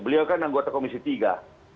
beliau kan anggota komisi tiga